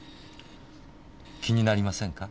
気になりませんか？